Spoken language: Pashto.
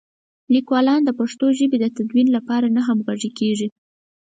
لیکوالان د پښتو ژبې د تدوین لپاره نه همغږي کېږي.